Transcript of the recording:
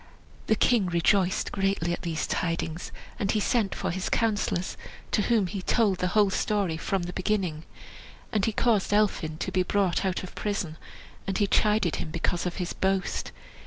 The king rejoiced greatly at these tidings, and he sent for his councillors, to whom he told the whole story from the beginning. And he caused Elphin to be brought out of prison, and he chided him because of his boast.